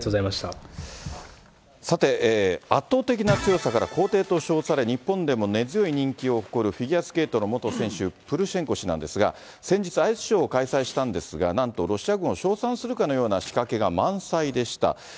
さて、圧倒的な強さから皇帝と称され、日本でも根強い人気を誇るフィギュアスケートの元選手、プルシェンコ氏なんですが、先日、アイスショーを開催したんですが、なんとロシア軍を称賛するかのような仕掛けが満載でした。